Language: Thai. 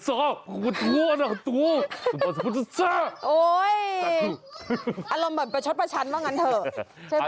โอ๊ยอารมณ์แบบเป็นช็อตประชันว่างั้นเถอะ